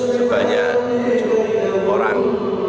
sebanyak tujuh orang